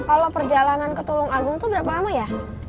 mas kert kalau perjalanan ke telung agung itu berapa lama ya